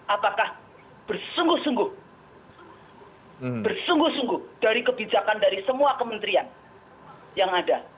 apakah bersungguh sungguh bersungguh sungguh dari kebijakan dari semua kementerian yang ada